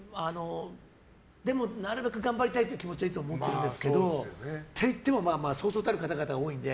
なるべく頑張りたいという気持ちはいつも持ってるんですけどと言ってもそうそうたる方々が多いので。